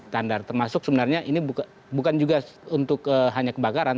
tandar termasuk sebenarnya ini bukan juga untuk hanya kebakaran